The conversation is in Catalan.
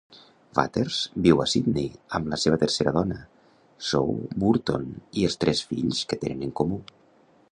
Waters viu a Sydney amb la seva tercera dona, Zoe Burton, i els tres fills que tenen en comú.